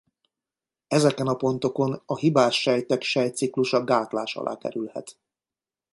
Ezeken a pontokon a hibás sejtek sejtciklusa gátlás alá kerülhet.